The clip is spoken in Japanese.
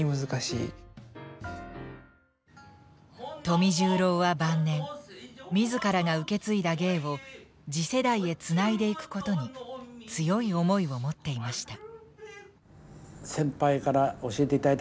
富十郎は晩年自らが受け継いだ芸を次世代へつないでいくことに強い思いを持っていました。